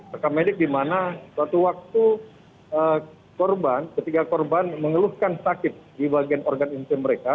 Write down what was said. rekam medik di mana suatu waktu korban ketiga korban mengeluhkan sakit di bagian organ insim mereka